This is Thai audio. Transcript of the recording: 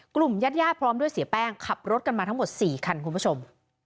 ญาติญาติพร้อมด้วยเสียแป้งขับรถกันมาทั้งหมด๔คันคุณผู้ชม